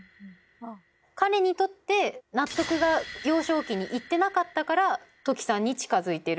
彼にとって納得が幼少期にいってなかったから土岐さんに近づいている。